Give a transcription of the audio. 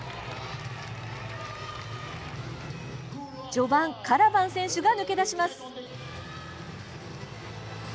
序盤、カラバン選手が抜け出します。